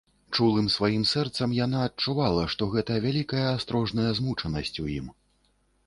Чулым сваім сэрцам яна адчувала, што гэта вялікая астрожная змучанасць у ім.